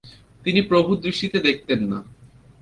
তিনি প্রভুর দৃষ্টিতে দেখতেন না।